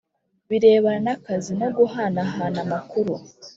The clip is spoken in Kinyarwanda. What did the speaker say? Birebana n akazi no guhanahana amakuru